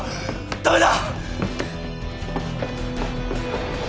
ダメだ！